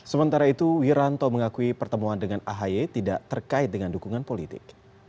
sementara itu wiranto mengakui pertemuan dengan ahy tidak terkait dengan dukungan politik